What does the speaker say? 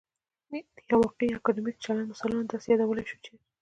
د یو واقعي اکادمیک چلند مثالونه داسې يادولای شو چې